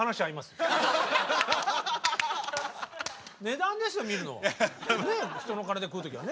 値段ですよ見るのは。